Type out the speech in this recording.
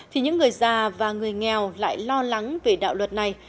thì những người già và người nghèo lại lo lắng về đạo luật này